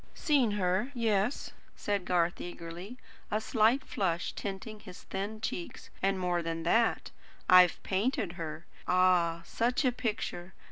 "Seen her? Yes," said Garth eagerly, a slight flush tinting his thin cheeks, "and more than that, I've painted her. Ah, such a picture!